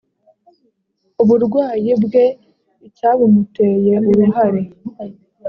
uburwayi bwe icyabumuteye uruhare